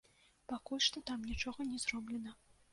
Пакуль што там нічога не зроблена.